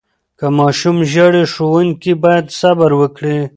که ماشوم ژاړي، ښوونکي باید صبر وکړي.